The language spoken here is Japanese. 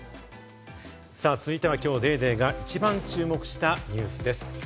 さぁ続いては、今日『ＤａｙＤａｙ．』が一番注目したニュースです。